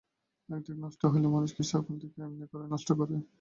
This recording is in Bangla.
এক দিকে নষ্ট হইলে মানুষ কি সকল দিকেই এমনি করিয়া নষ্ট হয়।